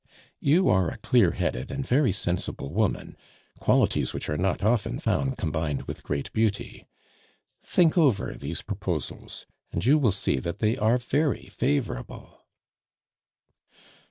You are a clear headed and very sensible woman, qualities which are not often found combined with great beauty; think over these proposals, and you will see that they are very favorable."